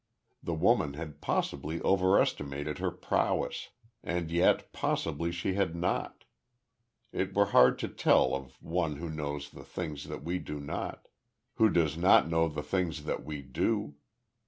The woman had possibly overestimated her prowess and yet possibly she had not it were hard to tell of one who knows the things that we do not who does not know the things that we do.